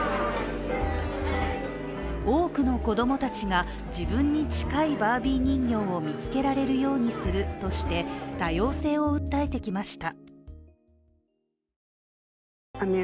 多くの子供たちが自分に近いバービー人形を見つけられるようにするとして多様性を訴えてきました。